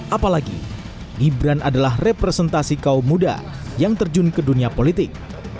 apalagi gibran adalah representasi kaum muda yang terjun ke dunia politik